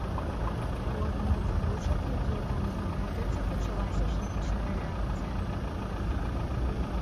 У адной з бочак, якія там знаходзяцца, пачалася хімічная рэакцыя.